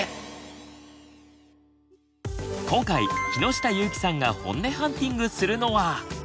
今回木下ゆーきさんがホンネハンティングするのは。